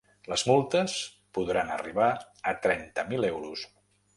Les multes podran arribar a trenta mil euros.